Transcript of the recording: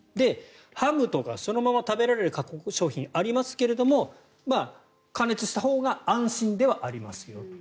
ハムとかそのまま食べられる加工食品もありますが加熱したほうが安心ではありますよと。